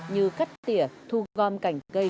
như cắt tỉa thu gom cảnh cây